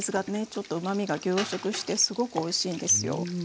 ちょっとうまみが凝縮してすごくおいしいんですよ。